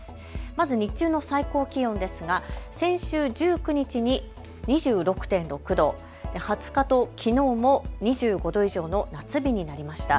まず日中の最高気温ですが先週１９日に２６．６度、２０日ときのうも２５度以上の夏日になりました。